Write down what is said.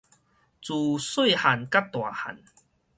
自細漢甲大漢